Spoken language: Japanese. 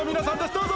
どうぞ！